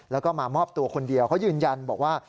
แล้วก็มามอบตัวคนเดียวเขายืนยันบอกว่า